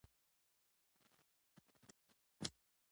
ناخوښه شیان ځینې وختونه موږ ته زیان رسوي.